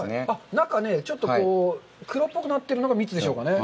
中ね、ちょっと黒っぽくなってるのが蜜でしょうかね。